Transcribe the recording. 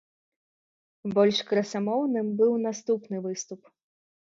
Больш красамоўным быў наступны выступ.